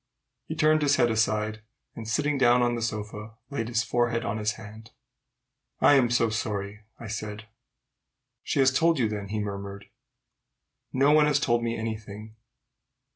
He turned his head aside, and, sitting down on the sofa, laid his forehead on his hand. "I'm so sorry!" I said. "She has told you, then?" he murmured. "No one has told me any thing."